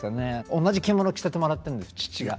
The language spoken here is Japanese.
同じ着物着せてもらってるんです父が。